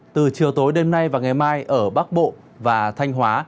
từ chiều tối đêm nay và ngày mai ở bắc bộ và thanh hóa